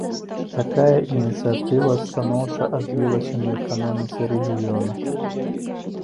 Такая ініцыятыва станоўча адбілася на эканоміцы рэгіёна.